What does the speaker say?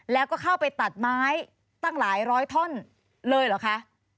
แล้วก็เข้าไปตัดไม้ตั้งหลายร้อยท่อนเลยเหรอคะ